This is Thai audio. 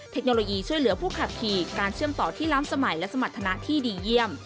เทคโนโลยีช่วยเหลือผู้ขับขี่การเชื่อมต่อที่ล้ำสมัยและสมรรถนะที่ดีเยี่ยม